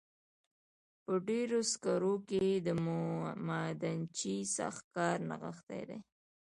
په ډبرو سکرو کې د معدنچي سخت کار نغښتی دی